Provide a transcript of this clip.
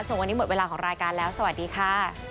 ส่วนวันนี้หมดเวลาของรายการแล้วสวัสดีค่ะ